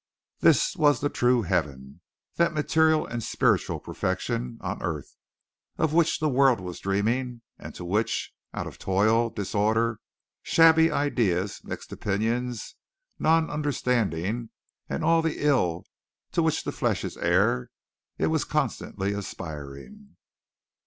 This was the true heaven that material and spiritual perfection on earth, of which the world was dreaming and to which, out of toil, disorder, shabby ideas, mixed opinions, non understanding and all the ill to which the flesh is heir, it was constantly aspiring.